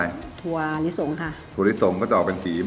น้วนนิ่ม